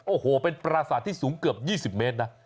โอ้โหเป็นปราศาสตร์ที่สูงเกือบ๒๐เมตรนะ